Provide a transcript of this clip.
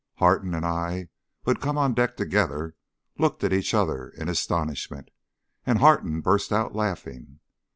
Harton and I, who had come on deck together, looked at each other in astonishment, and Harton burst out laughing.